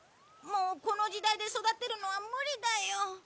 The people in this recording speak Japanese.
もうこの時代で育てるのは無理だよ。